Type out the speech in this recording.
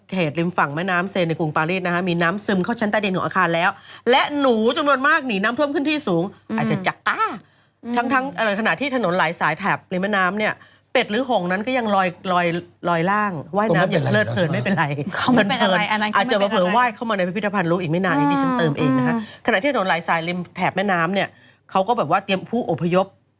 หรือโหงนั้นก็ยังลอยลอยลอยล่างว่ายน้ำยังเลิศเพิร์ดไม่เป็นไรเขาไม่เป็นอะไรอาจจะมาว่าให้เข้ามาในพิริทธภัณฑ์ลูกอีกไม่นานยังดิฉันเติมเองนะฮะขณะที่โดนลายใส่ลิงทแถ็บแม่น้ำเนี้ยเขาก็แบบว่าเตรียมผู้อพย